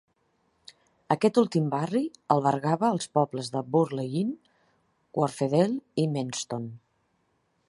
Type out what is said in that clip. Aquest últim barri albergava els pobles de Burley-in-Wharfedale i Menston.